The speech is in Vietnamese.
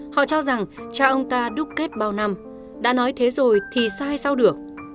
họ cho rằng cha ông ta đúc kết bao năm đã nói thế rồi thì sai sao được